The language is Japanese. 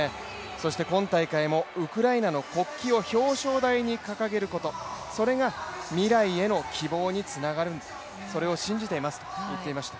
そして今大会もウクライナの国旗を表彰台に掲げることそれが未来への希望につながる、それを信じていますと言っていました。